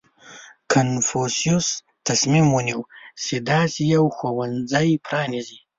• کنفوسیوس تصمیم ونیو، چې داسې یو ښوونځی پرانېزي.